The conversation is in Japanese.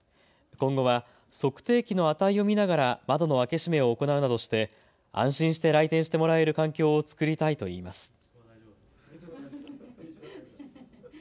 今後は測定器の値を見ながら窓の開け閉めを行うなどして安心して来店してもらえる環境を作りたいといいます。